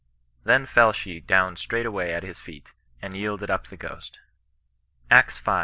Then fell she down straightway at his feet, and yielded up the ghost." Acts V.